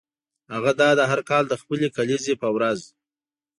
هغه دا ده هر کال د خپلې کلیزې په ورځ.